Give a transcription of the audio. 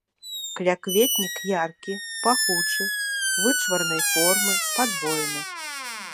Калякветнік яркі, пахучы, вычварнай формы, падвоены.